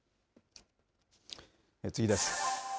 次です。